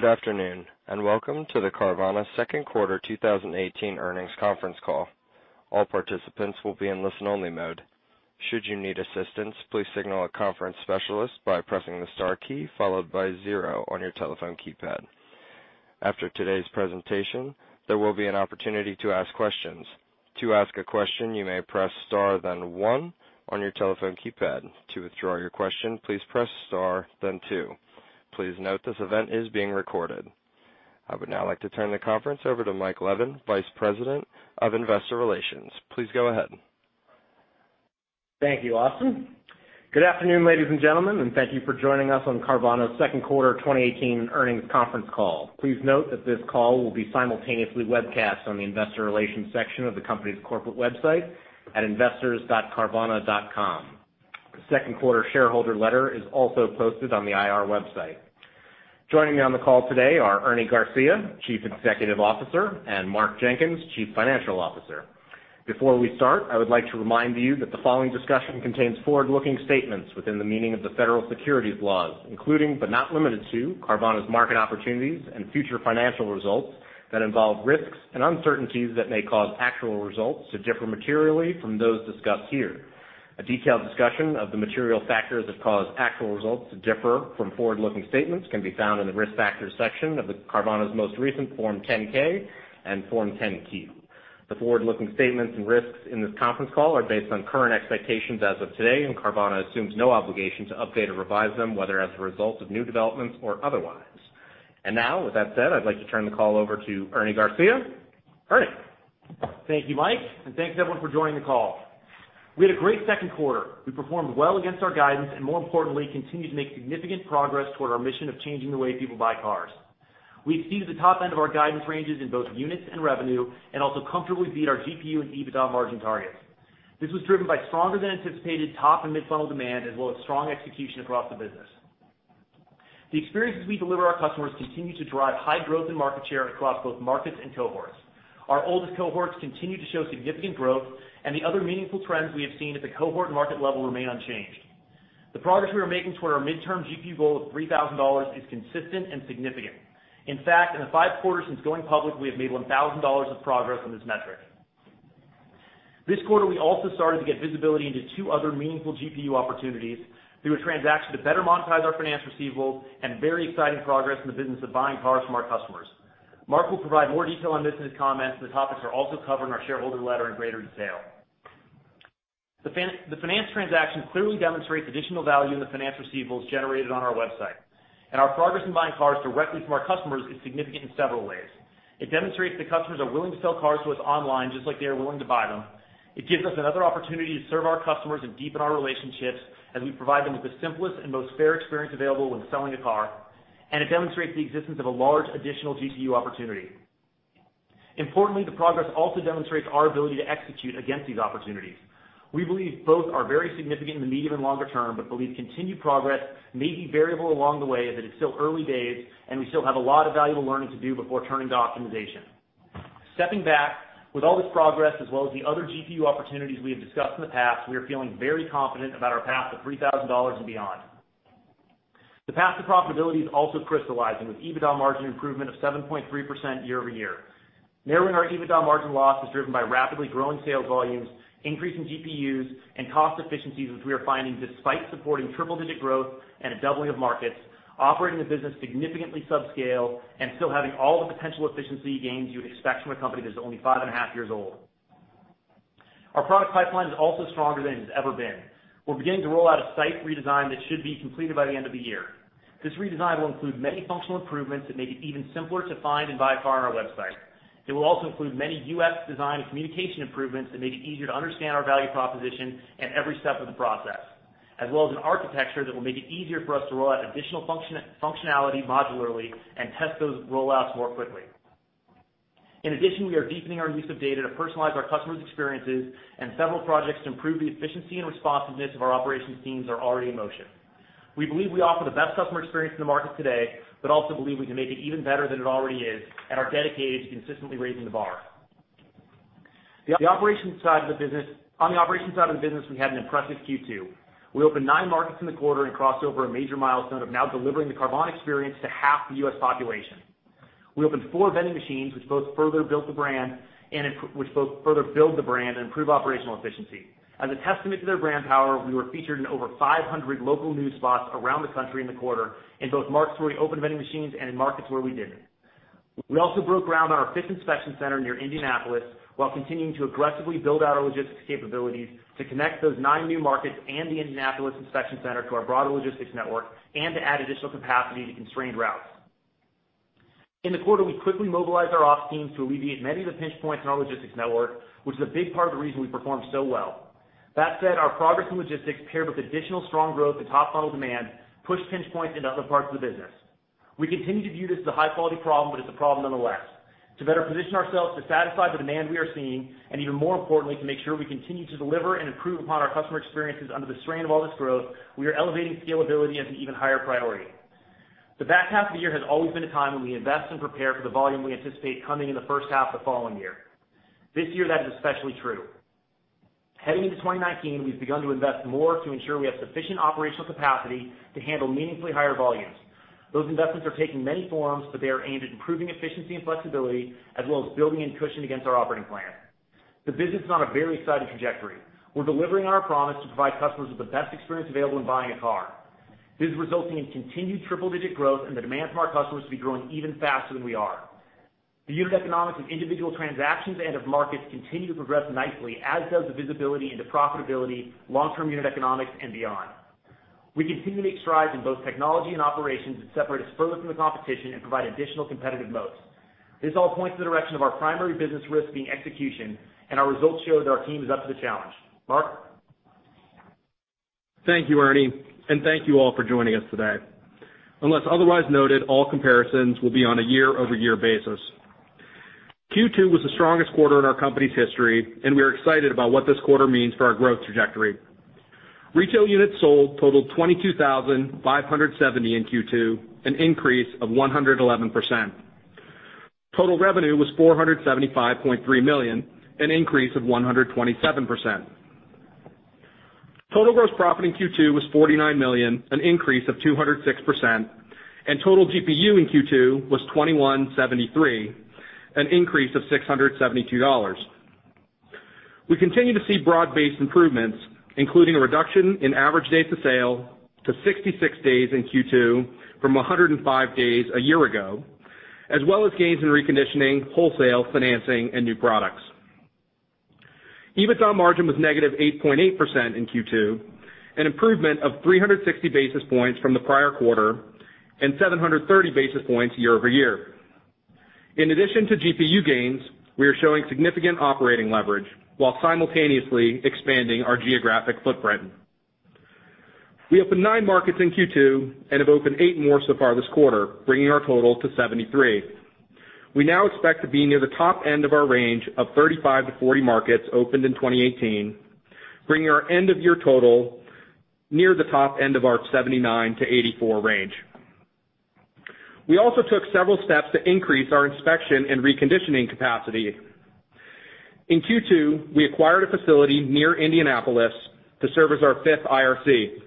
Good afternoon. Welcome to the Carvana second quarter 2018 earnings conference call. All participants will be in listen only mode. Should you need assistance, please signal a conference specialist by pressing the star key, followed by 0 on your telephone keypad. After today's presentation, there will be an opportunity to ask questions. To ask a question, you may press star, then one on your telephone keypad. To withdraw your question, please press star, then two. Please note this event is being recorded. I would now like to turn the conference over to Michael Levin, Vice President of Investor Relations. Please go ahead. Thank you, Austin. Good afternoon, ladies and gentlemen. Thank you for joining us on Carvana's second quarter 2018 earnings conference call. Please note that this call will be simultaneously webcast on the investor relations section of the company's corporate website at investors.carvana.com. The second quarter shareholder letter is also posted on the IR website. Joining me on the call today are Ernie Garcia, Chief Executive Officer, and Mark Jenkins, Chief Financial Officer. Before we start, I would like to remind you that the following discussion contains forward-looking statements within the meaning of the federal securities laws, including but not limited to Carvana's market opportunities and future financial results that involve risks and uncertainties that may cause actual results to differ materially from those discussed here. A detailed discussion of the material factors that cause actual results to differ from forward-looking statements can be found in the Risk Factors section of Carvana's most recent Form 10-K and Form 10-Q. The forward-looking statements and risks in this conference call are based on current expectations as of today. Carvana assumes no obligation to update or revise them, whether as a result of new developments or otherwise. Now, with that said, I'd like to turn the call over to Ernie Garcia. Ernie? Thank you, Mike. Thanks, everyone, for joining the call. We had a great second quarter. We performed well against our guidance. More importantly, continued to make significant progress toward our mission of changing the way people buy cars. We exceeded the top end of our guidance ranges in both units and revenue. Also comfortably beat our GPU and EBITDA margin targets. This was driven by stronger than anticipated top and mid-funnel demand, as well as strong execution across the business. The experiences we deliver our customers continue to drive high growth in market share across both markets and cohorts. Our oldest cohorts continue to show significant growth. The other meaningful trends we have seen at the cohort market level remain unchanged. The progress we are making toward our midterm GPU goal of $3,000 is consistent and significant. In fact, in the 5 quarters since going public, we have made $1,000 of progress on this metric. This quarter, we also started to get visibility into two other meaningful GPU opportunities through a transaction to better monetize our finance receivables and very exciting progress in the business of buying cars from our customers. Mark will provide more detail on this in his comments, and the topics are also covered in our shareholder letter in greater detail. The finance transaction clearly demonstrates additional value in the finance receivables generated on our website, and our progress in buying cars directly from our customers is significant in several ways. It demonstrates that customers are willing to sell cars to us online, just like they are willing to buy them. It gives us another opportunity to serve our customers and deepen our relationships as we provide them with the simplest and most fair experience available when selling a car. It demonstrates the existence of a large additional GPU opportunity. Importantly, the progress also demonstrates our ability to execute against these opportunities. We believe both are very significant in the medium and longer term, but believe continued progress may be variable along the way, as it is still early days and we still have a lot of valuable learning to do before turning to optimization. Stepping back, with all this progress as well as the other GPU opportunities we have discussed in the past, we are feeling very confident about our path to $3,000 and beyond. The path to profitability is also crystallizing with EBITDA margin improvement of 7.3% year-over-year. Narrowing our EBITDA margin loss is driven by rapidly growing sales volumes, increasing GPUs, and cost efficiencies which we are finding despite supporting triple-digit growth and a doubling of markets, operating the business significantly subscale, and still having all the potential efficiency gains you would expect from a company that's only five and a half years old. Our product pipeline is also stronger than it's ever been. We're beginning to roll out a site redesign that should be completed by the end of the year. This redesign will include many functional improvements that make it even simpler to find and buy a car on our website. It will also include many UX design and communication improvements that make it easier to understand our value proposition at every step of the process, as well as an architecture that will make it easier for us to roll out additional functionality modularly and test those rollouts more quickly. In addition, we are deepening our use of data to personalize our customers' experiences, and several projects to improve the efficiency and responsiveness of our operations teams are already in motion. We believe we offer the best customer experience in the market today, but also believe we can make it even better than it already is and are dedicated to consistently raising the bar. On the operations side of the business, we had an impressive Q2. We opened nine markets in the quarter and crossed over a major milestone of now delivering the Carvana experience to half the U.S. population. We opened four vending machines, which both further build the brand and improve operational efficiency. As a testament to their brand power, we were featured in over 500 local news spots around the country in the quarter in both markets where we opened vending machines and in markets where we didn't. We also broke ground on our fifth inspection center near Indianapolis while continuing to aggressively build out our logistics capabilities to connect those nine new markets and the Indianapolis inspection center to our broader logistics network and to add additional capacity to constrained routes. In the quarter, we quickly mobilized our ops teams to alleviate many of the pinch points in our logistics network, which is a big part of the reason we performed so well. That said, our progress in logistics paired with additional strong growth and top funnel demand pushed pinch points into other parts of the business. We continue to view this as a high-quality problem, but it's a problem nonetheless. To better position ourselves to satisfy the demand we are seeing, and even more importantly, to make sure we continue to deliver and improve upon our customer experiences under the strain of all this growth, we are elevating scalability as an even higher priority. The back half of the year has always been a time when we invest and prepare for the volume we anticipate coming in the first half the following year. This year, that is especially true. Heading into 2019, we've begun to invest more to ensure we have sufficient operational capacity to handle meaningfully higher volumes. Those investments are taking many forms, but they are aimed at improving efficiency and flexibility, as well as building in cushion against our operating plan. The business is on a very exciting trajectory. We're delivering on our promise to provide customers with the best experience available in buying a car. This is resulting in continued triple-digit growth and the demand from our customers to be growing even faster than we are. The unit economics of individual transactions and of markets continue to progress nicely, as does the visibility into profitability, long-term unit economics, and beyond. We continue to make strides in both technology and operations that separate us further from the competition and provide additional competitive moats. This all points to the direction of our primary business risk being execution, and our results show that our team is up to the challenge. Mark? Thank you, Ernie, and thank you all for joining us today. Unless otherwise noted, all comparisons will be on a year-over-year basis. Q2 was the strongest quarter in our company's history, and we are excited about what this quarter means for our growth trajectory. Retail units sold totaled 22,570 in Q2, an increase of 111%. Total revenue was $475.3 million, an increase of 127%. Total gross profit in Q2 was $49 million, an increase of 206%, and total GPU in Q2 was $21.73, an increase of $672. We continue to see broad-based improvements, including a reduction in average days to sale to 66 days in Q2 from 105 days a year ago, as well as gains in reconditioning, wholesale, financing, and new products. EBITDA margin was negative 8.8% in Q2, an improvement of 360 basis points from the prior quarter and 730 basis points year-over-year. In addition to GPU gains, we are showing significant operating leverage while simultaneously expanding our geographic footprint. We opened nine markets in Q2 and have opened eight more so far this quarter, bringing our total to 73. We now expect to be near the top end of our range of 35-40 markets opened in 2018, bringing our end-of-year total near the top end of our 79-84 range. We also took several steps to increase our inspection and reconditioning capacity. In Q2, we acquired a facility near Indianapolis to serve as our fifth IRC.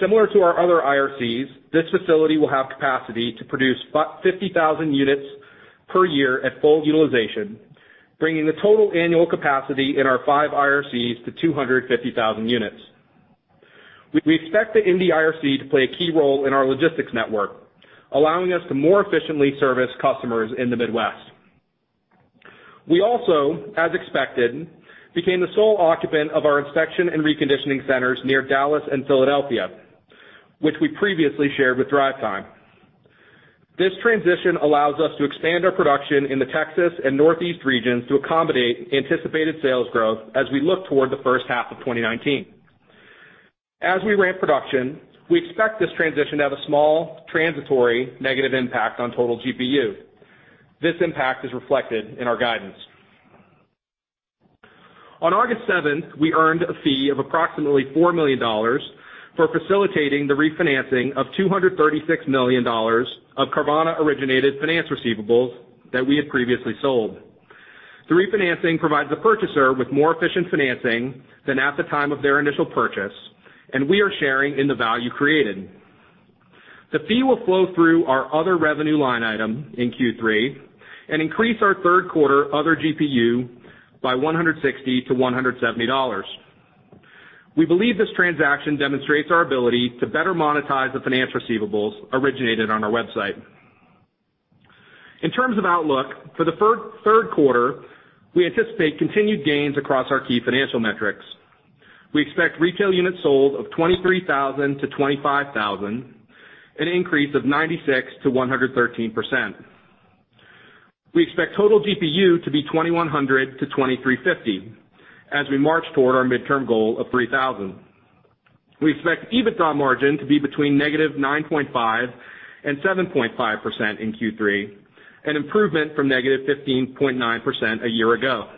Similar to our other IRCs, this facility will have capacity to produce 50,000 units per year at full utilization, bringing the total annual capacity in our five IRCs to 250,000 units. We expect the Indy IRC to play a key role in our logistics network, allowing us to more efficiently service customers in the Midwest. We also, as expected, became the sole occupant of our inspection and reconditioning centers near Dallas and Philadelphia, which we previously shared with DriveTime. This transition allows us to expand our production in the Texas and Northeast regions to accommodate anticipated sales growth as we look toward the first half of 2019. As we ramp production, we expect this transition to have a small transitory negative impact on total GPU. This impact is reflected in our guidance. On August 7th, we earned a fee of approximately $4 million for facilitating the refinancing of $236 million of Carvana-originated finance receivables that we had previously sold. The refinancing provides the purchaser with more efficient financing than at the time of their initial purchase, and we are sharing in the value created. The fee will flow through our other revenue line item in Q3 and increase our third quarter other GPU by $160-$170. We believe this transaction demonstrates our ability to better monetize the finance receivables originated on our website. In terms of outlook, for the third quarter, we anticipate continued gains across our key financial metrics. We expect retail units sold of 23,000-25,000, an increase of 96%-113%. We expect total GPU to be 2,100-2,350 as we march toward our midterm goal of 3,000. We expect EBITDA margin to be between negative 9.5% and 7.5% in Q3, an improvement from negative 15.9% a year ago.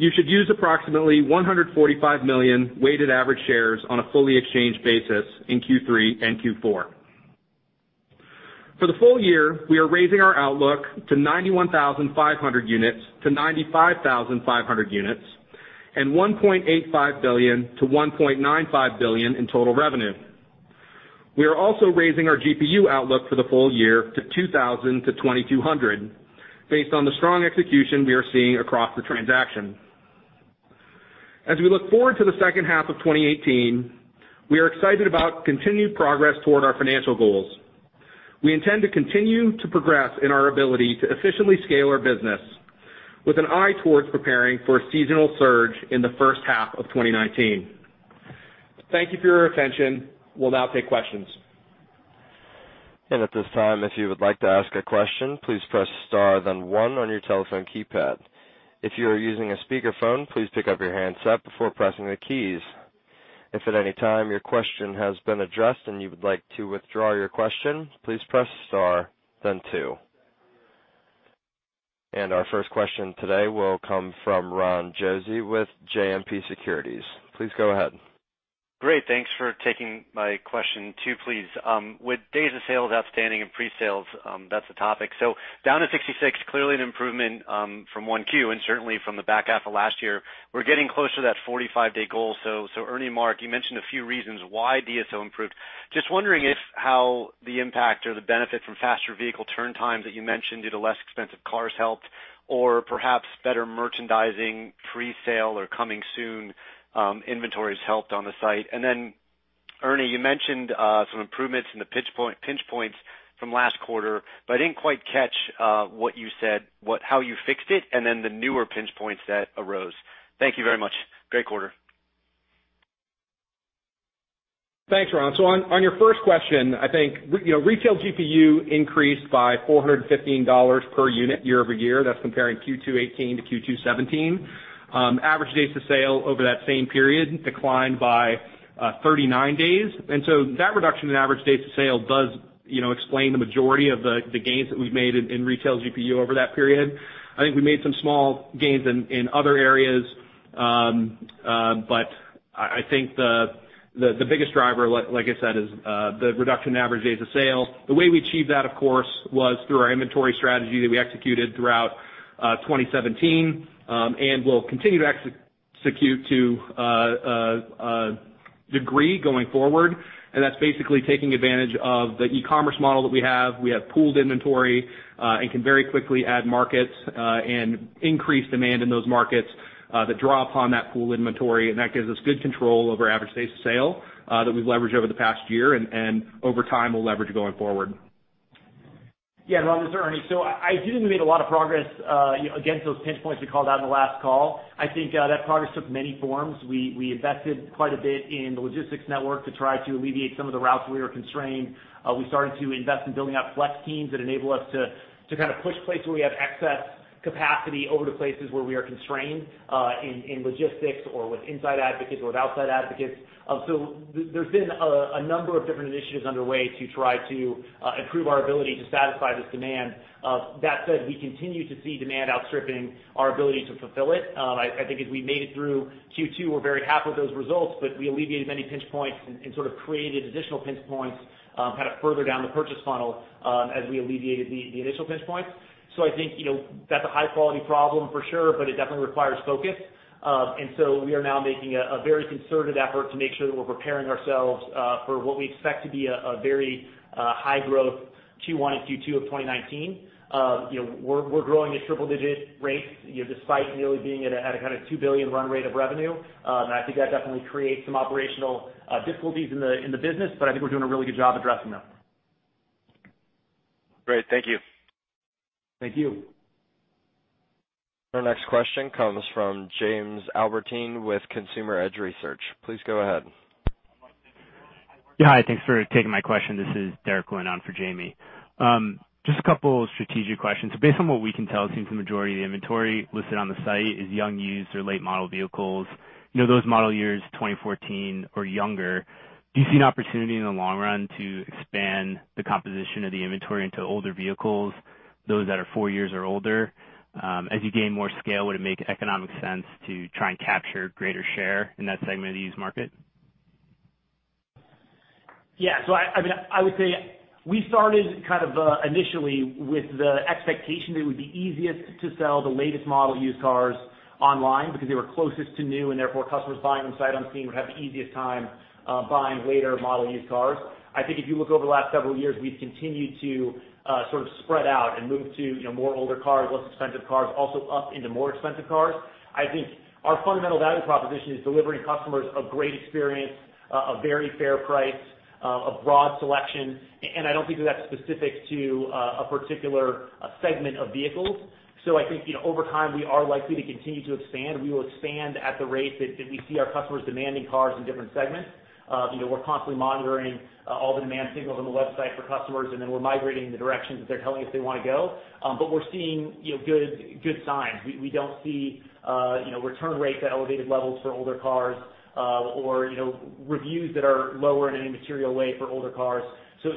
You should use approximately 145 million weighted average shares on a fully exchange basis in Q3 and Q4. For the full year, we are raising our outlook to 91,500 units to 95,500 units and $1.85 billion to $1.95 billion in total revenue. We are also raising our GPU outlook for the full year to 2,000 to 2,200, based on the strong execution we are seeing across the transaction. As we look forward to the second half of 2018, we are excited about continued progress toward our financial goals. We intend to continue to progress in our ability to efficiently scale our business with an eye towards preparing for a seasonal surge in the first half of 2019. Thank you for your attention. We'll now take questions. At this time, if you would like to ask a question, please press star then one on your telephone keypad. If you are using a speakerphone, please pick up your handset before pressing the keys. If at any time your question has been addressed and you would like to withdraw your question, please press star then two. Our first question today will come from Ronald Josey with JMP Securities. Please go ahead. Great. Thanks for taking my question. Two, please. With days of sales outstanding and pre-sales, that's the topic. Down to 66, clearly an improvement from 1Q and certainly from the back half of last year. We're getting closer to that 45-day goal. Ernie and Mark, you mentioned a few reasons why DSO improved. Just wondering how the impact or the benefit from faster vehicle turn times that you mentioned due to less expensive cars helped, or perhaps better merchandising pre-sale or coming soon inventories helped on the site. Then Ernie, you mentioned some improvements in the pinch points from last quarter, but I didn't quite catch how you fixed it and then the newer pinch points that arose. Thank you very much. Great quarter. Thanks, Ron. On your first question, I think retail GPU increased by $415 per unit year-over-year. That's comparing Q2 2018 to Q2 2017. Average days to sale over that same period declined by 39 days. That reduction in average days to sale does explain the majority of the gains that we've made in retail GPU over that period. I think we made some small gains in other areas, but I think the biggest driver, like I said, is the reduction in average days of sale. The way we achieved that, of course, was through our inventory strategy that we executed throughout 2017, and we'll continue to execute to a degree going forward, and that's basically taking advantage of the e-commerce model that we have. We have pooled inventory and can very quickly add markets and increase demand in those markets that draw upon that pooled inventory, and that gives us good control over average days of sale that we've leveraged over the past year and over time we'll leverage going forward. Yeah, Ron, this is Ernie. I do think we made a lot of progress against those pinch points we called out in the last call. I think that progress took many forms. We invested quite a bit in the logistics network to try to alleviate some of the routes we were constrained. We started to invest in building out flex teams that enable us to push places where we have excess capacity over to places where we are constrained in logistics or with inside advocates or with outside advocates. There's been a number of different initiatives underway to try to improve our ability to satisfy this demand. That said, we continue to see demand outstripping our ability to fulfill it. I think as we made it through Q2, we're very happy with those results, but we alleviated many pinch points and sort of created additional pinch points further down the purchase funnel as we alleviated the initial pinch points. I think that's a high-quality problem for sure, but it definitely requires focus. We are now making a very concerted effort to make sure that we're preparing ourselves for what we expect to be a very high growth Q1 and Q2 of 2019. We're growing at triple-digit rates despite really being at a $2 billion run rate of revenue. I think that definitely creates some operational difficulties in the business, but I think we're doing a really good job addressing them. Great. Thank you. Thank you. Our next question comes from Jamie Albertine with Consumer Edge Research. Please go ahead. Yeah, hi. Thanks for taking my question. This is Derek going on for Jamie. Just a couple of strategic questions. Based on what we can tell, it seems the majority of the inventory listed on the site is young used or late-model vehicles. Those model years 2014 or younger, do you see an opportunity in the long run to expand the composition of the inventory into older vehicles, those that are four years or older? As you gain more scale, would it make economic sense to try and capture greater share in that segment of the used market? Yeah. I would say we started initially with the expectation that it would be easiest to sell the latest model used cars online because they were closest to new and therefore customers buying them sight unseen would have the easiest time buying later model used cars. I think if you look over the last several years, we've continued to sort of spread out and move to more older cars, less expensive cars, also up into more expensive cars. I think our fundamental value proposition is delivering customers a great experience, a very fair price, a broad selection, and I don't think that that's specific to a particular segment of vehicles. I think over time, we are likely to continue to expand. We will expand at the rate that we see our customers demanding cars in different segments. We're constantly monitoring all the demand signals on the website for customers, we're migrating in the directions that they're telling us they want to go. We're seeing good signs. We don't see return rates at elevated levels for older cars or reviews that are lower in any material way for older cars.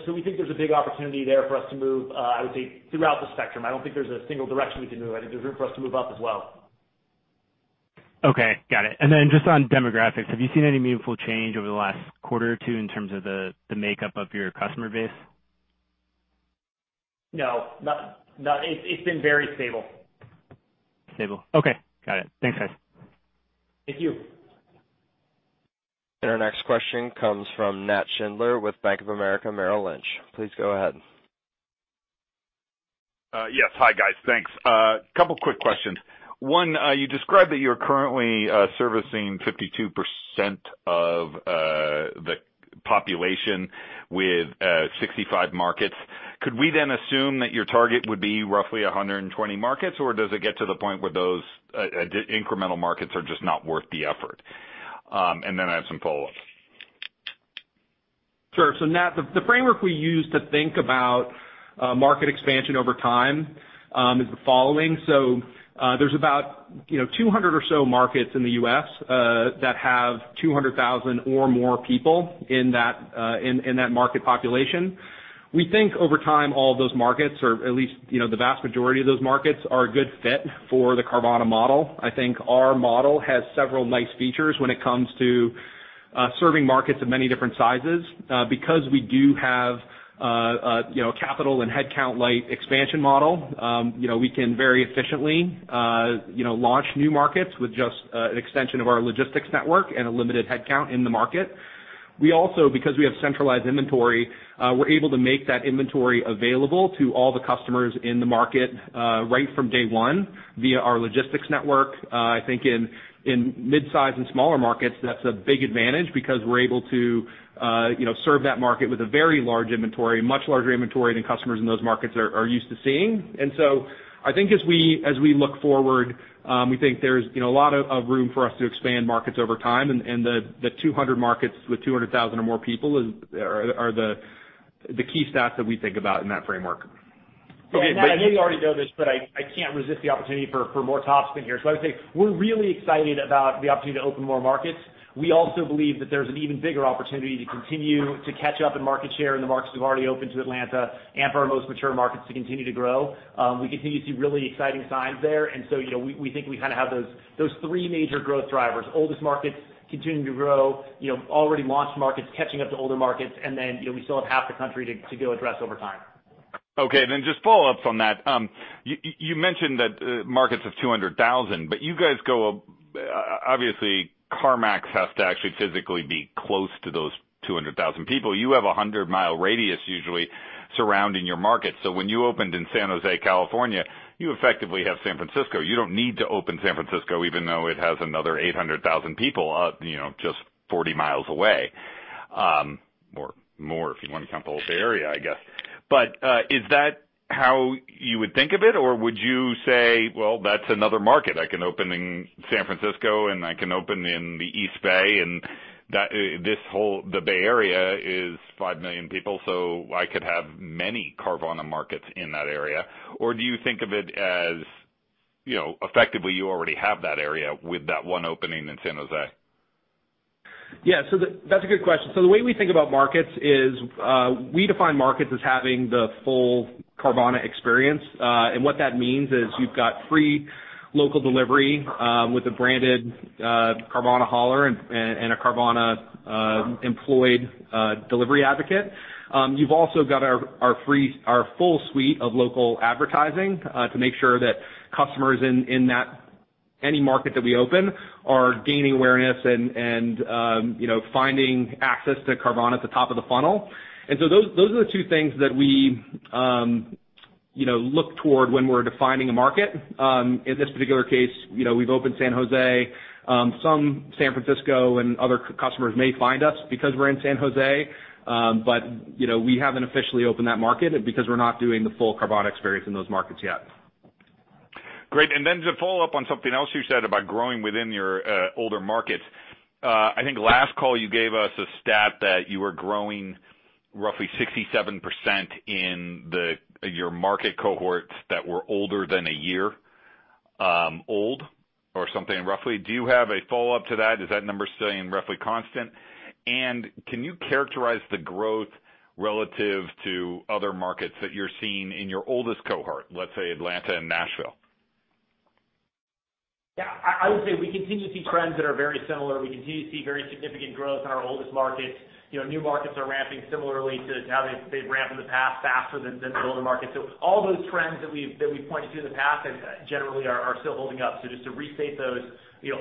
We think there's a big opportunity there for us to move, I would say, throughout the spectrum. I don't think there's a single direction we can move. I think there's room for us to move up as well. Okay. Got it. Just on demographics, have you seen any meaningful change over the last quarter or two in terms of the makeup of your customer base? No. It's been very stable. Stable. Okay. Got it. Thanks, guys. Thank you. Our next question comes from Nat Schindler with Bank of America, Merrill Lynch. Please go ahead. Yes. Hi, guys. Thanks. A couple quick questions. One, you described that you're currently servicing 52% of the population with 65 markets. Could we then assume that your target would be roughly 120 markets, or does it get to the point where those incremental markets are just not worth the effort? Then I have some follow-ups. Sure. Nat, the framework we use to think about market expansion over time is the following. There's about 200 or so markets in the U.S. that have 200,000 or more people in that market population. We think over time, all of those markets, or at least, the vast majority of those markets, are a good fit for the Carvana model. I think our model has several nice features when it comes to serving markets of many different sizes. Because we do have a capital and headcount light expansion model, we can very efficiently launch new markets with just an extension of our logistics network and a limited headcount in the market. We also, because we have centralized inventory, we're able to make that inventory available to all the customers in the market right from day one via our logistics network. I think in mid-size and smaller markets, that's a big advantage because we're able to serve that market with a very large inventory, much larger inventory than customers in those markets are used to seeing. I think as we look forward, we think there's a lot of room for us to expand markets over time, and the 200 markets with 200,000 or more people are the key stats that we think about in that framework. Okay. Nat, I know you already know this, but I can't resist the opportunity for more top spin here. I would say, we're really excited about the opportunity to open more markets. We also believe that there's an even bigger opportunity to continue to catch up in market share in the markets we've already opened to Atlanta and for our most mature markets to continue to grow. We continue to see really exciting signs there. We think we have those three major growth drivers, oldest markets continuing to grow, already launched markets catching up to older markets, and then we still have half the country to go address over time. Okay, just follow-ups on that. You mentioned that markets of 200,000, but you guys. Obviously, CarMax has to actually physically be close to those 200,000 people. You have a 100-mile radius usually surrounding your market. When you opened in San Jose, California, you effectively have San Francisco. You don't need to open San Francisco, even though it has another 800,000 people, just 40 miles away. More if you want to count the whole Bay Area, I guess. Is that how you would think of it? Or would you say, "Well, that's another market I can open in San Francisco, and I can open in the East Bay, and the Bay Area is 5 million people, so I could have many Carvana markets in that area." Do you think of it as effectively you already have that area with that one opening in San Jose? Yeah. That's a good question. The way we think about markets is, we define markets as having the full Carvana experience. What that means is you've got free local delivery with a branded Carvana hauler and a Carvana employed delivery advocate. You've also got our full suite of local advertising to make sure that customers in any market that we open are gaining awareness and finding access to Carvana at the top of the funnel. Those are the two things that we look toward when we're defining a market. In this particular case, we've opened San Jose. Some San Francisco and other customers may find us because we're in San Jose. We haven't officially opened that market because we're not doing the full Carvana experience in those markets yet. Great. Then to follow up on something else you said about growing within your older markets. I think last call you gave us a stat that you were growing roughly 67% in your market cohorts that were older than one year old or something, roughly. Do you have a follow-up to that? Is that number staying roughly constant? Can you characterize the growth relative to other markets that you're seeing in your oldest cohort, let's say Atlanta and Nashville? Yeah. I would say we continue to see trends that are very similar. We continue to see very significant growth in our oldest markets. New markets are ramping similarly to how they've ramped in the past, faster than the older markets. All those trends that we've pointed to in the past generally are still holding up. Just to restate those,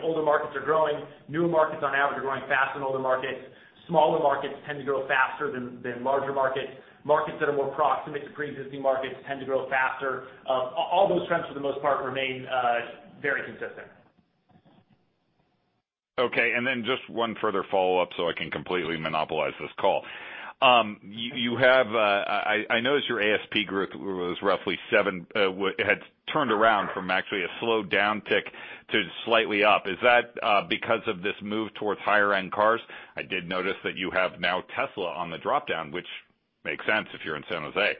older markets are growing, newer markets on average are growing faster than older markets. Smaller markets tend to grow faster than larger markets. Markets that are more proximate to preexisting markets tend to grow faster. All those trends, for the most part, remain very consistent. Okay, just one further follow-up so I can completely monopolize this call. I noticed your ASP growth had turned around from actually a slow downtick to slightly up. Is that because of this move towards higher-end cars? I did notice that you have now Tesla on the dropdown, which makes sense if you're in San Jose.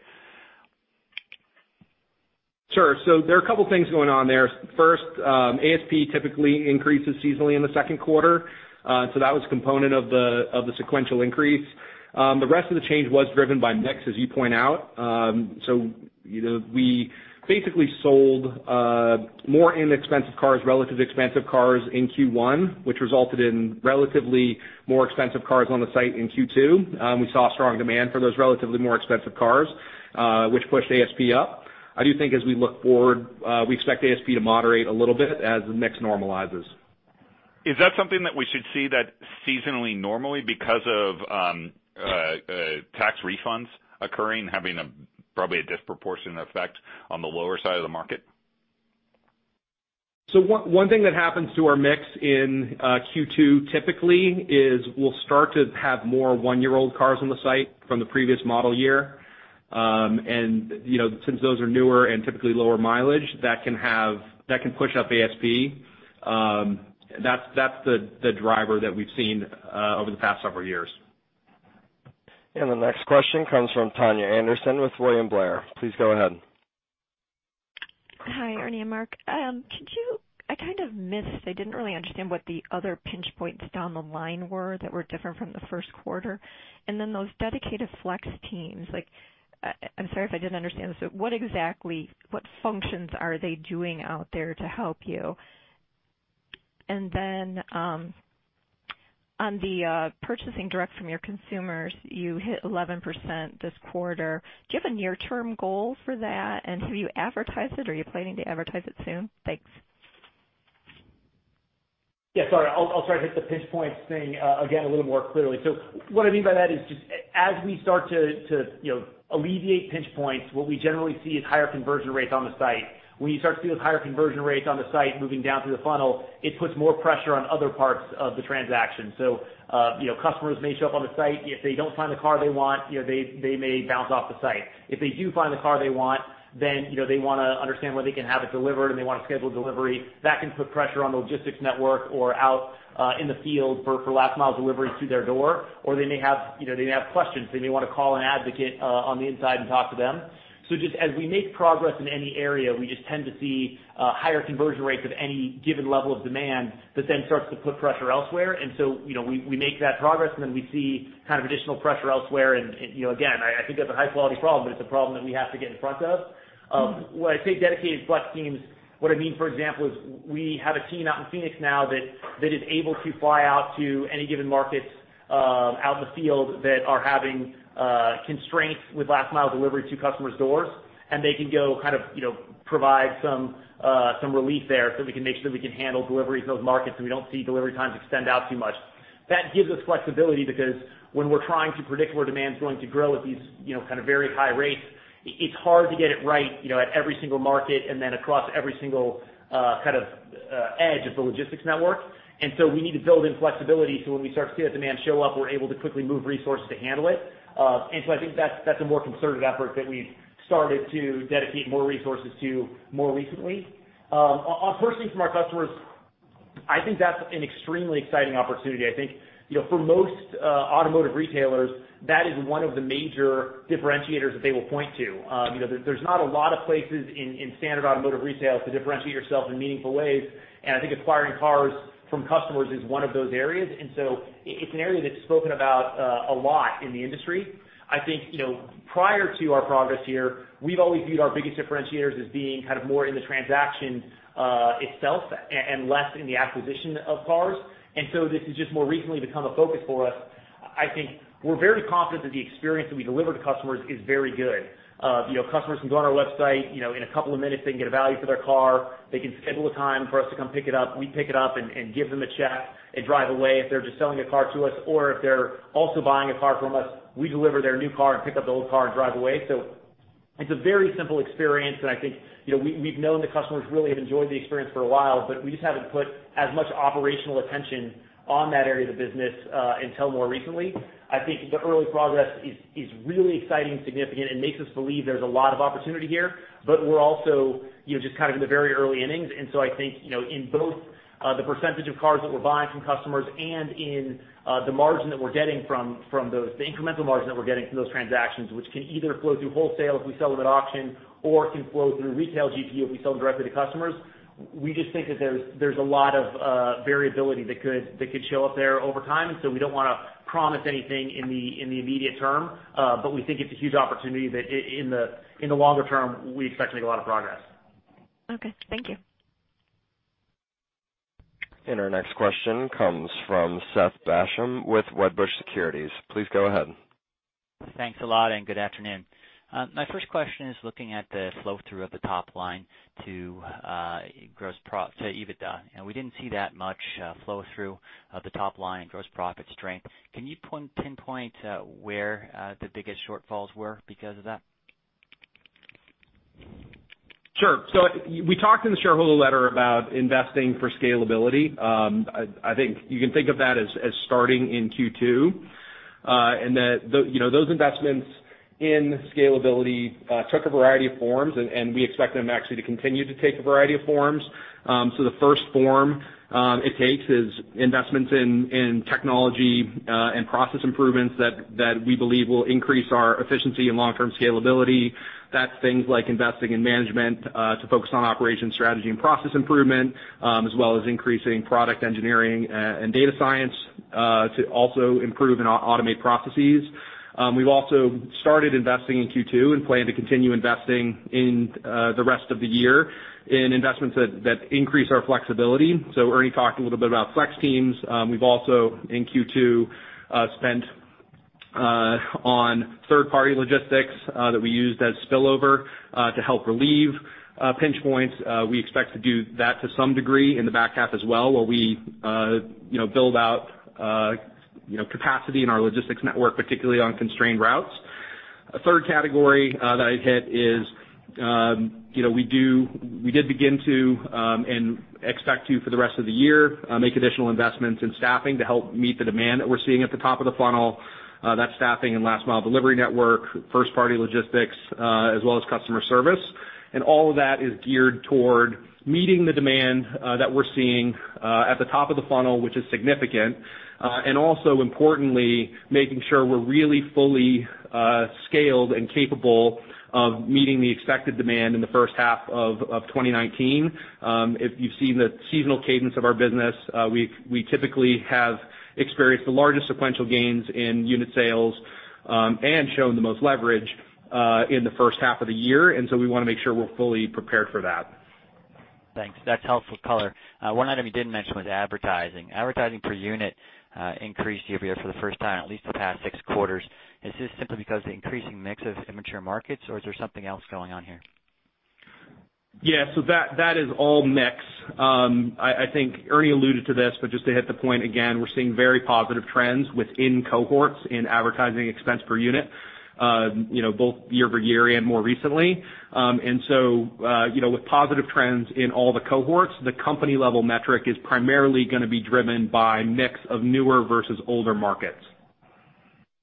Sure. There are a couple of things going on there. First, ASP typically increases seasonally in the second quarter. That was a component of the sequential increase. The rest of the change was driven by mix, as you point out. We basically sold more inexpensive cars relative to expensive cars in Q1, which resulted in relatively more expensive cars on the site in Q2. We saw strong demand for those relatively more expensive cars, which pushed ASP up. I do think as we look forward, we expect ASP to moderate a little bit as the mix normalizes. Is that something that we should see that seasonally normally because of tax refunds occurring, having probably a disproportionate effect on the lower side of the market? One thing that happens to our mix in Q2 typically is we'll start to have more one-year-old cars on the site from the previous model year. Since those are newer and typically lower mileage, that can push up ASP. That's the driver that we've seen over the past several years. The next question comes from Sharon Zackfia with William Blair. Please go ahead. Hi, Ernie and Mark. I kind of missed, I didn't really understand what the other pinch points down the line were that were different from the first quarter. Those dedicated flex teams, I'm sorry if I didn't understand this, but what functions are they doing out there to help you? On the purchasing direct from your consumers, you hit 11% this quarter. Do you have a near term goal for that, and have you advertised it or are you planning to advertise it soon? Thanks. Yeah, sorry. I'll try to hit the pinch points thing again a little more clearly. What I mean by that is just as we start to alleviate pinch points, what we generally see is higher conversion rates on the site. When you start to see those higher conversion rates on the site moving down through the funnel, it puts more pressure on other parts of the transaction. Customers may show up on the site. If they don't find the car they want, they may bounce off the site. If they do find the car they want, they want to understand where they can have it delivered, and they want to schedule delivery. That can put pressure on the logistics network or out in the field for last mile delivery to their door. They may have questions, they may want to call an advocate on the inside and talk to them. Just as we make progress in any area, we just tend to see higher conversion rates of any given level of demand that starts to put pressure elsewhere. We make that progress, and we see additional pressure elsewhere. Again, I think that's a high quality problem, but it's a problem that we have to get in front of. When I say dedicated flex teams, what I mean, for example, is we have a team out in Phoenix now that is able to fly out to any given market out in the field that are having constraints with last mile delivery to customers' doors. They can go provide some relief there so we can make sure that we can handle deliveries in those markets, and we don't see delivery times extend out too much. That gives us flexibility, because when we're trying to predict where demand's going to grow at these kind of very high rates, it's hard to get it right at every single market and across every single edge of the logistics network. We need to build in flexibility so when we start to see that demand show up, we're able to quickly move resources to handle it. I think that's a more concerted effort that we've started to dedicate more resources to more recently. On purchasing from our customers, I think that's an extremely exciting opportunity. I think for most automotive retailers, that is one of the major differentiators that they will point to. There's not a lot of places in standard automotive retail to differentiate yourself in meaningful ways, and I think acquiring cars from customers is one of those areas. It's an area that's spoken about a lot in the industry. I think, prior to our progress here, we've always viewed our biggest differentiators as being more in the transaction itself and less in the acquisition of cars. This has just more recently become a focus for us. I think we're very confident that the experience that we deliver to customers is very good. Customers can go on our website, in a couple of minutes they can get a value for their car. They can schedule a time for us to come pick it up. We pick it up and give them a check. They drive away if they're just selling a car to us, or if they're also buying a car from us, we deliver their new car and pick up the old car and drive away. It's a very simple experience. I think we've known the customers really have enjoyed the experience for a while. We just haven't put as much operational attention on that area of the business until more recently. I think the early progress is really exciting and significant and makes us believe there's a lot of opportunity here. We're also just in the very early innings. I think in both the percentage of cars that we're buying from customers and in the margin that we're getting from those, the incremental margin that we're getting from those transactions, which can either flow through wholesale if we sell them at auction or can flow through retail GP if we sell them directly to customers. We just think that there's a lot of variability that could show up there over time. We don't want to promise anything in the immediate term. We think it's a huge opportunity that in the longer term, we expect to make a lot of progress. Okay. Thank you. Our next question comes from Seth Basham with Wedbush Securities. Please go ahead. Thanks a lot. Good afternoon. My first question is looking at the flow-through of the top line to EBITDA. We didn't see that much flow-through of the top line and gross profit strength. Can you pinpoint where the biggest shortfalls were because of that? Sure. We talked in the shareholder letter about investing for scalability. I think you can think of that as starting in Q2. That those investments in scalability took a variety of forms, and we expect them actually to continue to take a variety of forms. The first form it takes is investments in technology and process improvements that we believe will increase our efficiency and long-term scalability. That's things like investing in management to focus on operations strategy and process improvement, as well as increasing product engineering and data science to also improve and automate processes. We've also started investing in Q2 and plan to continue investing in the rest of the year in investments that increase our flexibility. Ernie talked a little bit about flex teams. We've also in Q2 spent on third-party logistics that we used as spillover to help relieve pinch points. We expect to do that to some degree in the back half as well, where we build out capacity in our logistics network, particularly on constrained routes. A third category that I'd hit is we did begin to and expect to for the rest of the year make additional investments in staffing to help meet the demand that we're seeing at the top of the funnel. That's staffing and last mile delivery network, first party logistics, as well as customer service. All of that is geared toward meeting the demand that we're seeing at the top of the funnel, which is significant, and also importantly, making sure we're really fully scaled and capable of meeting the expected demand in the first half of 2019. If you've seen the seasonal cadence of our business, we typically have experienced the largest sequential gains in unit sales, and shown the most leverage, in the first half of the year. We want to make sure we're fully prepared for that. Thanks. That's helpful color. One item you didn't mention was advertising. Advertising per unit increased year-over-year for the first time at least the past six quarters. Is this simply because of the increasing mix of immature markets, or is there something else going on here? Yeah, that is all mix. I think Ernie alluded to this, but just to hit the point again, we're seeing very positive trends within cohorts in advertising expense per unit, both year-over-year and more recently. With positive trends in all the cohorts, the company-level metric is primarily going to be driven by mix of newer versus older markets.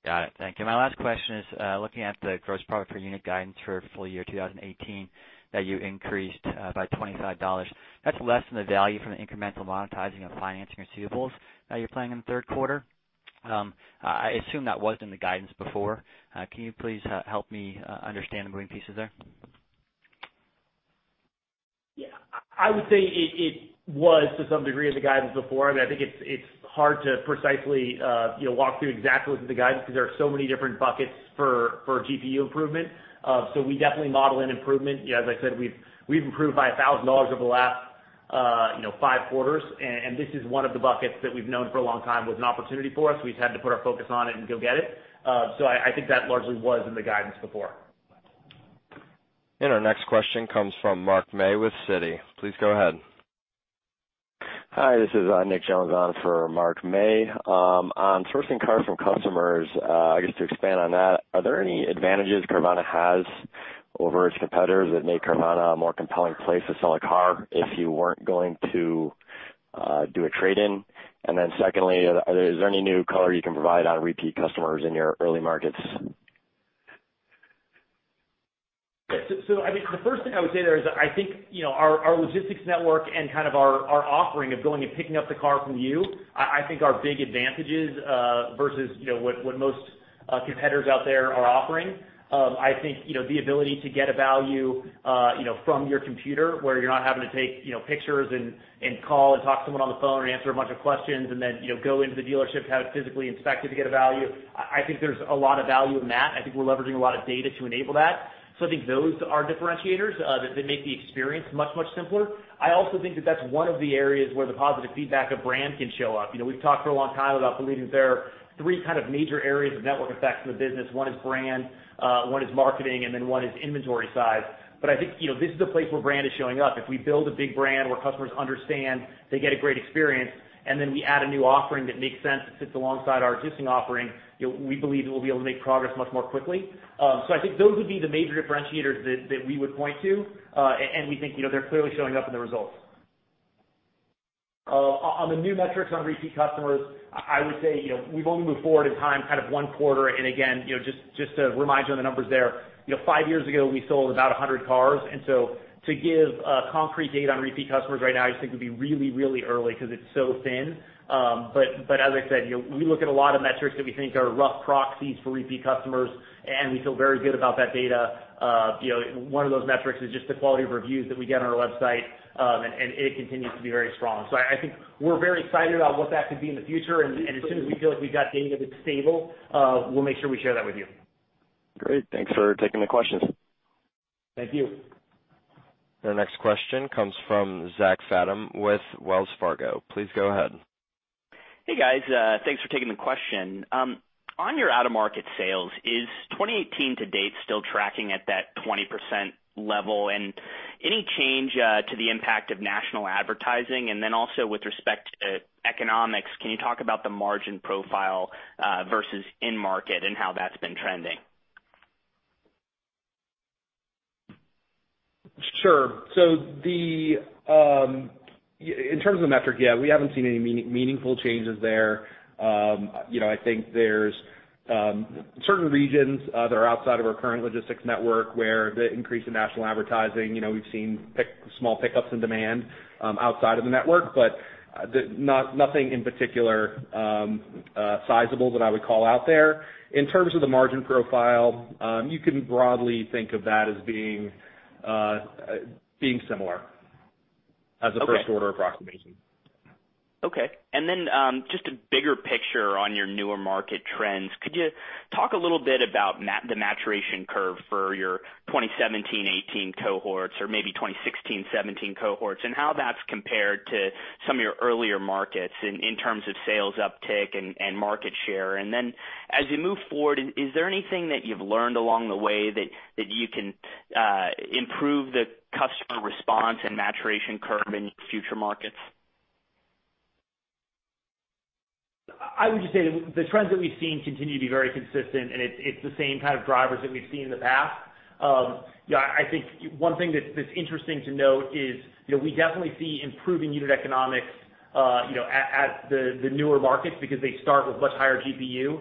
Got it. Thank you. My last question is, looking at the gross profit per unit guidance for full year 2018 that you increased by $25, that's less than the value from the incremental monetizing of financing receivables that you're planning in the third quarter. I assume that wasn't the guidance before. Can you please help me understand the moving pieces there? Yeah. I would say it was to some degree in the guidance before. I think it's hard to precisely walk through exactly what's in the guidance because there are so many different buckets for GPU improvement. We definitely model an improvement. As I said, we've improved by $1,000 over the last five quarters, and this is one of the buckets that we've known for a long time was an opportunity for us. We just had to put our focus on it and go get it. I think that largely was in the guidance before. Our next question comes from Mark May with Citi. Please go ahead. Hi, this is Nick Jones on for Mark May. On sourcing cars from customers, I guess to expand on that, are there any advantages Carvana has over its competitors that make Carvana a more compelling place to sell a car if you weren't going to do a trade-in? Secondly, is there any new color you can provide on repeat customers in your early markets? The first thing I would say there is, I think, our logistics network and our offering of going and picking up the car from you, I think are big advantages, versus what most competitors out there are offering. I think, the ability to get a value from your computer where you're not having to take pictures and call and talk to someone on the phone or answer a bunch of questions and then go into the dealership to have it physically inspected to get a value. I think there's a lot of value in that. I think we're leveraging a lot of data to enable that. I think those are differentiators that make the experience much simpler. I also think that that's one of the areas where the positive feedback of brand can show up. We've talked for a long time about believing that there are three major areas of network effects in the business. One is brand, one is marketing, and then one is inventory size. I think, this is a place where brand is showing up. If we build a big brand where customers understand they get a great experience, and then we add a new offering that makes sense that sits alongside our existing offering, we believe that we'll be able to make progress much more quickly. I think those would be the major differentiators that we would point to. We think, they're clearly showing up in the results. On the new metrics on repeat customers, I would say, we've only moved forward in time one quarter. Again, just to remind you on the numbers there, five years ago, we sold about 100 cars. To give concrete data on repeat customers right now, I just think would be really early because it's so thin. As I said, we look at a lot of metrics that we think are rough proxies for repeat customers, and we feel very good about that data. One of those metrics is just the quality of reviews that we get on our website, and it continues to be very strong. I think we're very excited about what that could be in the future, and as soon as we feel like we've got data that's stable, we'll make sure we share that with you. Great. Thanks for taking the questions. Thank you. The next question comes from Zachary Fadem with Wells Fargo. Please go ahead. Hey, guys. Thanks for taking the question. On your out-of-market sales, is 2018 to date still tracking at that 20% level? Any change to the impact of national advertising? Also with respect to economics, can you talk about the margin profile versus in-market and how that's been trending? Sure. In terms of the metric, yeah, we haven't seen any meaningful changes there. I think there's certain regions that are outside of our current logistics network where the increase in national advertising, we've seen small pickups in demand outside of the network, but nothing in particular sizable that I would call out there. In terms of the margin profile, you can broadly think of that as being similar as a first order approximation. Okay. Just a bigger picture on your newer market trends. Could you talk a little bit about the maturation curve for your 2017-18 cohorts, or maybe 2016-17 cohorts, and how that's compared to some of your earlier markets in terms of sales uptick and market share? As you move forward, is there anything that you've learned along the way that you can improve the customer response and maturation curve in future markets? I would just say that the trends that we've seen continue to be very consistent, and it's the same kind of drivers that we've seen in the past. I think one thing that's interesting to note is we definitely see improving unit economics at the newer markets because they start with much higher GPU.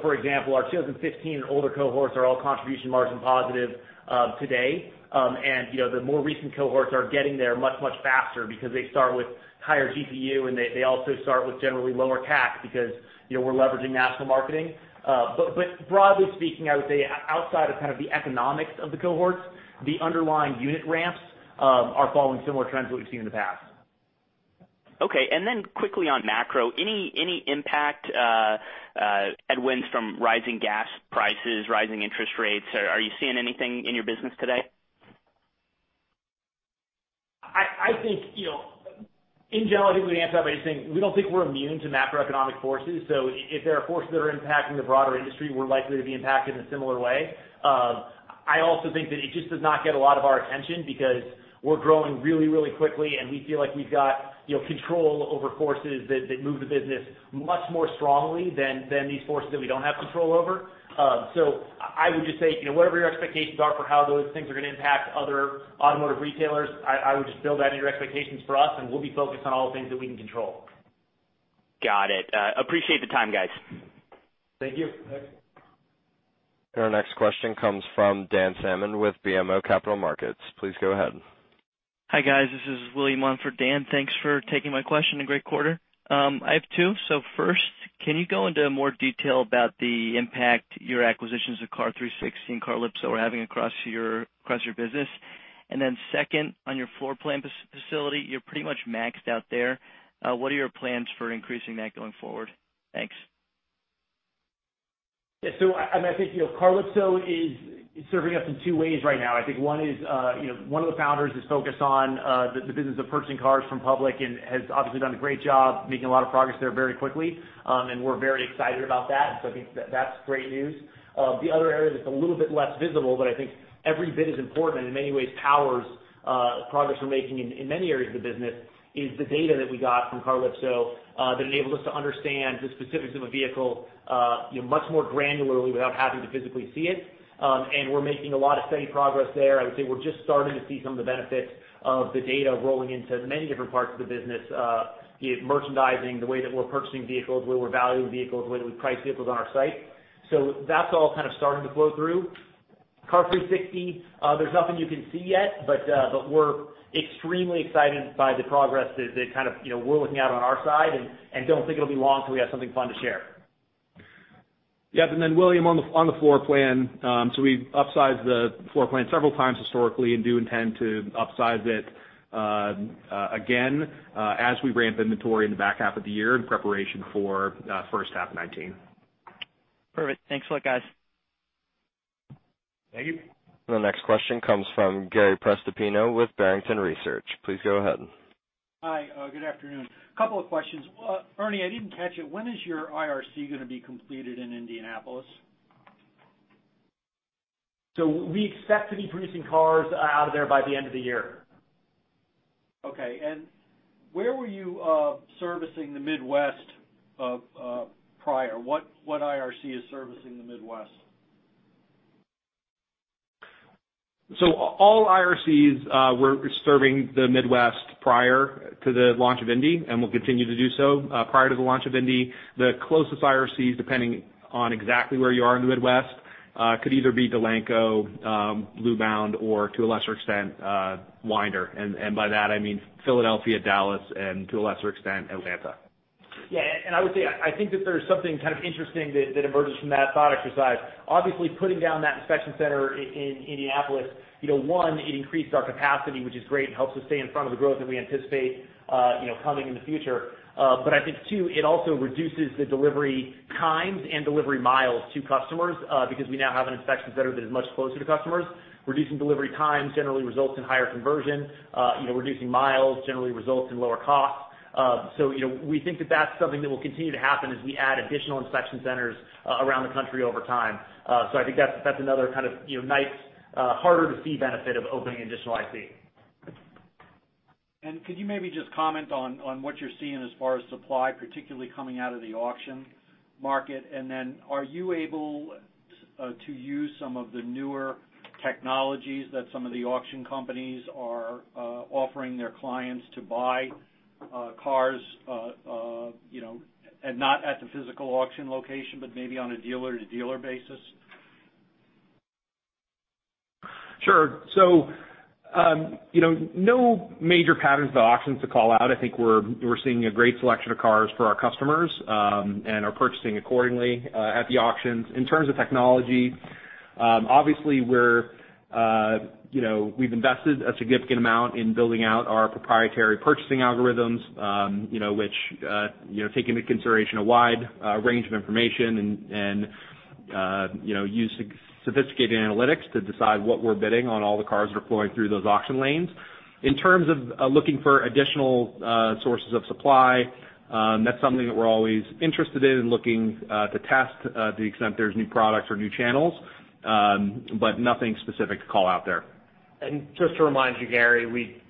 For example, our 2015 and older cohorts are all contribution margin positive today. The more recent cohorts are getting there much, much faster because they start with higher GPU, and they also start with generally lower CAC because we're leveraging national marketing. Broadly speaking, I would say outside of kind of the economics of the cohorts, the underlying unit ramps are following similar trends that we've seen in the past. Okay. Then quickly on macro, any impact headwinds from rising gas prices, rising interest rates? Are you seeing anything in your business today? In general, I think we'd answer that by saying we don't think we're immune to macroeconomic forces. If there are forces that are impacting the broader industry, we're likely to be impacted in a similar way. I also think that it just does not get a lot of our attention because we're growing really, really quickly, and we feel like we've got control over forces that move the business much more strongly than these forces that we don't have control over. I would just say, whatever your expectations are for how those things are going to impact other automotive retailers, I would just build that into your expectations for us, and we'll be focused on all the things that we can control. Got it. Appreciate the time, guys. Thank you. Our next question comes from Dan Salmon with BMO Capital Markets. Please go ahead. Hi, guys. This is William, one for Dan. Thanks for taking my question, and great quarter. I have two. First, can you go into more detail about the impact your acquisitions of Car360 and Carlypso are having across your business? Second, on your floor plan facility, you're pretty much maxed out there. What are your plans for increasing that going forward? Thanks. I think Carlypso is serving us in two ways right now. I think one of the founders is focused on the business of purchasing cars from public, has obviously done a great job making a lot of progress there very quickly, and we're very excited about that. I think that's great news. The other area that's a little bit less visible, but I think every bit as important, in many ways powers progress we're making in many areas of the business, is the data that we got from Carlypso that enables us to understand the specifics of a vehicle much more granularly without having to physically see it, we're making a lot of steady progress there. I would say we're just starting to see some of the benefits of the data rolling into many different parts of the business, be it merchandising, the way that we're purchasing vehicles, the way we're valuing vehicles, the way that we price vehicles on our site. That's all kind of starting to flow through. Car360, there's nothing you can see yet, we're extremely excited by the progress that we're looking at on our side, don't think it'll be long till we have something fun to share. Yep, William, on the floor plan, we've upsized the floor plan several times historically and do intend to upsize it again as we ramp inventory in the back half of the year in preparation for first half of 2019. Perfect. Thanks a lot, guys. Thank you. The next question comes from Gary Prestopino with Barrington Research. Please go ahead. Hi, good afternoon. Couple of questions. Ernie, I didn't catch it. When is your IRC going to be completed in Indianapolis? We expect to be producing cars out of there by the end of the year. Okay, where were you servicing the Midwest prior? What IRC is servicing the Midwest? All IRCs were serving the Midwest prior to the launch of Indy, and will continue to do so. Prior to the launch of Indy, the closest IRCs, depending on exactly where you are in the Midwest, could either be Delanco, Blue Mound, or to a lesser extent, Winder, and by that I mean Philadelphia, Dallas, and to a lesser extent, Atlanta. Yeah, I would say, I think that there's something kind of interesting that emerges from that thought exercise. Obviously, putting down that inspection center in Indianapolis, one, it increased our capacity, which is great and helps us stay in front of the growth that we anticipate coming in the future. I think two, it also reduces the delivery times and delivery miles to customers because we now have an inspection center that is much closer to customers. Reducing delivery times generally results in higher conversion. Reducing miles generally results in lower costs. We think that that's something that will continue to happen as we add additional inspection centers around the country over time. I think that's another kind of nice harder-to-see benefit of opening an additional IC. Could you maybe just comment on what you're seeing as far as supply, particularly coming out of the auction market? Then are you able to use some of the newer technologies that some of the auction companies are offering their clients to buy cars, and not at the physical auction location, but maybe on a dealer-to-dealer basis? Sure. No major patterns of the auctions to call out. I think we're seeing a great selection of cars for our customers, and are purchasing accordingly at the auctions. In terms of technology, obviously we've invested a significant amount in building out our proprietary purchasing algorithms, which take into consideration a wide range of information, and use sophisticated analytics to decide what we're bidding on all the cars that are flowing through those auction lanes. In terms of looking for additional sources of supply, that's something that we're always interested in and looking to test to the extent there's new products or new channels, but nothing specific to call out there. Just to remind you, Gary, we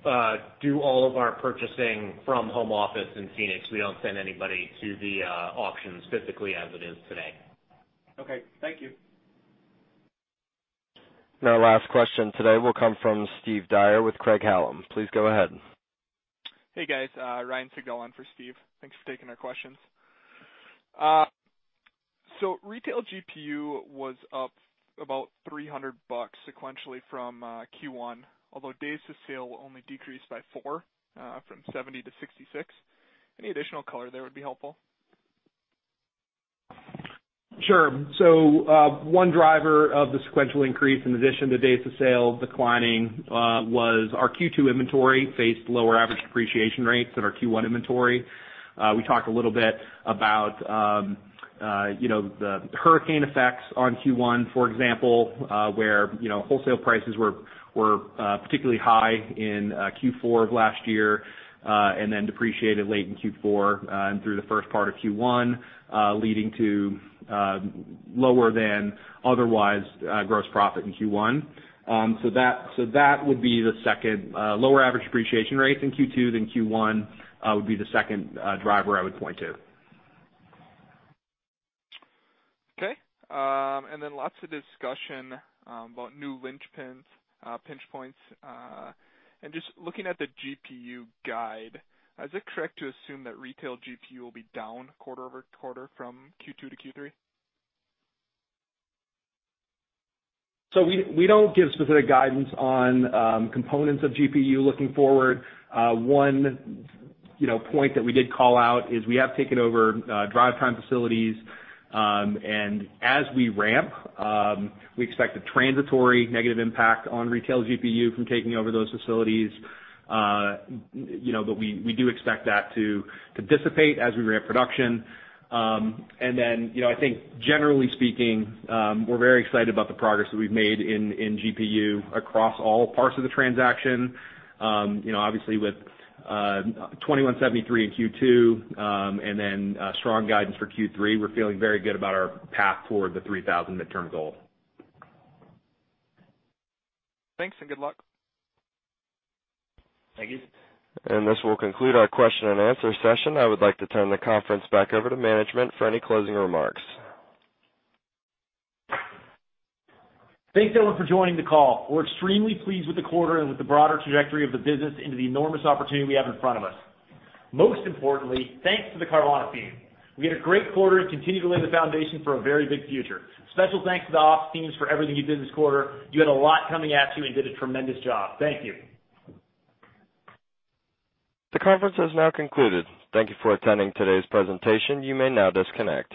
do all of our purchasing from home office in Phoenix. We don't send anybody to the auctions physically as it is today. Okay. Thank you. Our last question today will come from Steve Dyer with Craig-Hallum. Please go ahead. Hey, guys. Ryan Sigdahl on for Steve. Thanks for taking our questions. Retail GPU was up about $300 sequentially from Q1, although days to sale only decreased by four, from 70 to 66. Any additional color there would be helpful. Sure. One driver of the sequential increase, in addition to days to sale declining, was our Q2 inventory faced lower average depreciation rates than our Q1 inventory. We talked a little bit about the hurricane effects on Q1, for example, where wholesale prices were particularly high in Q4 of last year, and then depreciated late in Q4 and through the first part of Q1, leading to lower than otherwise gross profit in Q1. That would be the second lower average depreciation rates in Q2 than Q1, would be the second driver I would point to. Okay. Then lots of discussion about new linchpins, pinch points. Just looking at the GPU guide, is it correct to assume that retail GPU will be down quarter-over-quarter from Q2 to Q3? We don't give specific guidance on components of GPU looking forward. One point that we did call out is we have taken over DriveTime facilities. As we ramp, we expect a transitory negative impact on retail GPU from taking over those facilities. We do expect that to dissipate as we ramp production. Then, I think generally speaking, we're very excited about the progress that we've made in GPU across all parts of the transaction. Obviously with $2,173 in Q2, and then strong guidance for Q3, we're feeling very good about our path toward the 3,000 midterm goal. Thanks and good luck. Thank you. This will conclude our question and answer session. I would like to turn the conference back over to management for any closing remarks. Thanks, everyone, for joining the call. We're extremely pleased with the quarter and with the broader trajectory of the business into the enormous opportunity we have in front of us. Most importantly, thanks to the Carvana team. We had a great quarter and continue to lay the foundation for a very big future. Special thanks to the ops teams for everything you did this quarter. You had a lot coming at you and did a tremendous job. Thank you. The conference has now concluded. Thank you for attending today's presentation. You may now disconnect.